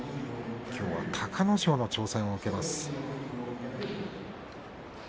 きょうは隆の勝の挑戦を受けます。